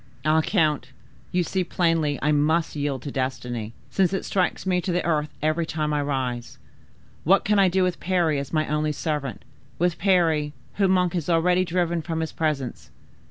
Ah! count, you see plainly I must yield to destiny, since it strikes me to the earth every time I rise. What can I do with Parry as my only servant, with Parry, whom Monk has already driven from his presence?